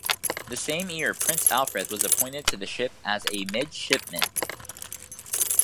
The same year Prince Alfred was appointed to the ship as a midshipman.